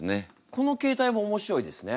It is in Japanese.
この形態も面白いですね。